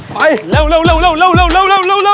ไปเร็ว